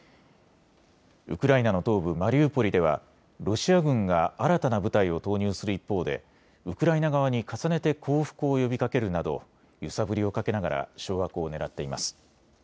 ウクライナの東部マリウポリではロシア軍が新たな部隊を投入する一方でウクライナ側に重ねて降伏を呼びかけるなど揺さぶりをかけながら掌握をねらっています。